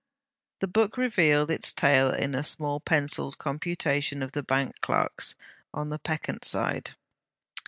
The book revealed its tale in a small pencilled computation of the bank clerk's; on the peccant side.